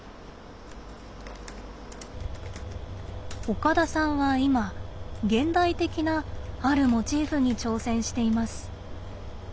岡田さんは今現代的なあるモチーフに挑戦しています。